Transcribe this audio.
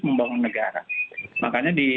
membangun negara makanya di